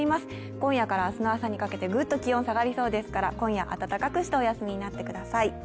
今夜から明日の朝にかけてグッと気温が下がりそうですから今夜、温かくしてお休みになってください。